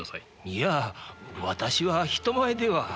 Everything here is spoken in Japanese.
いや私は人前では。